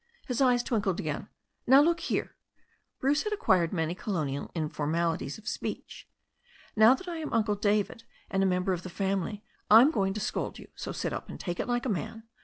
His eyes twinkled again. "Now, look here" — Bruce had acquired many colonial informalities of speech — "now that I am Uncle David, and a member of the family, I'm going to scold you, so sit up and take it like a man.